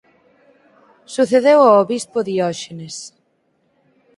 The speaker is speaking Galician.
Sucedeu ao Bispo Dióxenes.